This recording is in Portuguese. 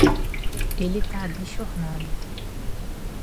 Ele tá abichornado